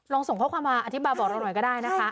ส่งข้อความมาอธิบายบอกเราหน่อยก็ได้นะคะ